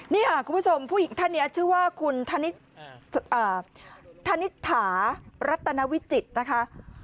นี่ค่ะคุณผู้ชมผู้หญิงท่านนี้ชื่อว่าคุณธนิษฐารัตนวิจิตรนะคะ